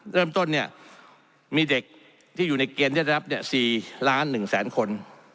เริ่มต้นเนี้ยมีเด็กที่อยู่ในเกณฑ์ได้รับเนี้ยสี่ล้านหนึ่งแสนคน